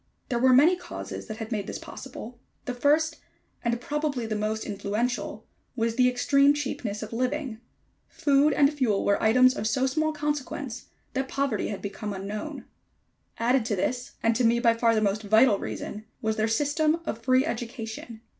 There were many causes that had made this possible. The first, and probably the most influential, was the extreme cheapness of living. Food and fuel were items of so small consequence, that poverty had become unknown. Added to this, and to me by far the most vital reason, was their system of free education.